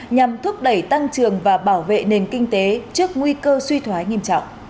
nhằm thúc đẩy tăng trường và bảo vệ nền kinh tế trước nguy cơ suy thoái nghiêm trọng